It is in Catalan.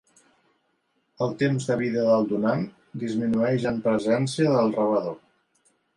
El temps de vida del donant disminueix en presència del rebedor.